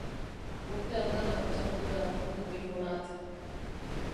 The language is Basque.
Urte andana pasatu da ordutik hunat.